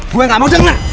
gue gak mau denger